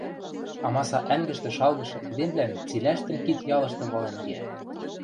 амаса ӓнгӹштӹ шалгышы эдемвлӓн цилӓштӹн кид-ялышты вален кеӓ.